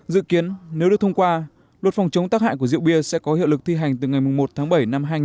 dự kiến nếu được thông qua luật phòng chống tác hại của rượu bia sẽ có hiệu lực thi hành từ ngày một tháng bảy năm hai nghìn hai mươi